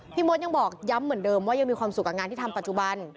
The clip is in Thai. มดยังบอกย้ำเหมือนเดิมว่ายังมีความสุขกับงานที่ทำปัจจุบัน